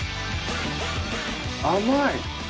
甘い！